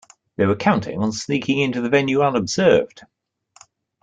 They were counting on sneaking in to the venue unobserved